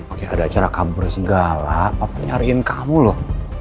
masih ada acara kamu bersinggala apa nyariin kamu loh